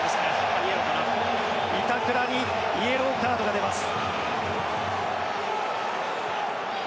板倉にイエローカードが出ます。